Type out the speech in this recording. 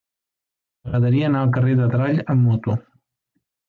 M'agradaria anar al carrer d'Adrall amb moto.